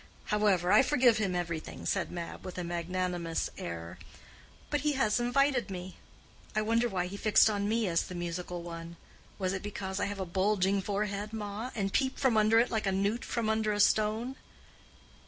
However, I forgive him everything," said Mab, with a magnanimous air, "but he has invited me. I wonder why he fixed on me as the musical one? Was it because I have a bulging forehead, ma, and peep from under it like a newt from under a stone?"